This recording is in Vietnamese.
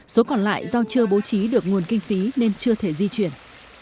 số còn lại do chưa bố trí được nguồn kinh phí nên chưa thể di chuyển